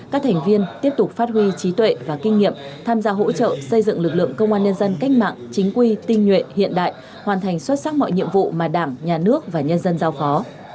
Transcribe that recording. các thành viên tiếp tục phát huy trí tuệ và kinh nghiệm tham gia hỗ trợ xây dựng lực lượng công an nhân dân cách mạng chính quy tinh nhuệ hiện đại hoàn thành xuất sắc mọi nhiệm vụ mà đảng nhà nước và nhân dân giao phó